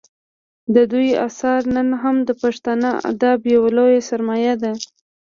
د دوی اثار نن هم د پښتو ادب یوه لویه سرمایه ده